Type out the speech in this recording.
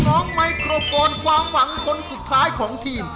ไมโครโฟนความหวังคนสุดท้ายของทีม